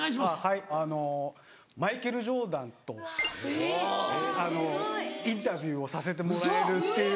はいあのマイケル・ジョーダンとあのインタビューをさせてもらえるっていう。